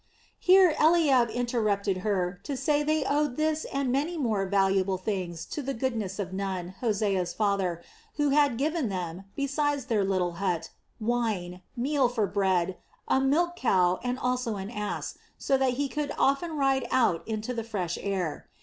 Here Eliab interrupted her to say that they owed this and many more valuable things to the goodness of Nun, Hosea's father, who had given them, besides their little hut, wine, meal for bread, a milch cow, and also an ass, so that he could often ride out into the fresh air.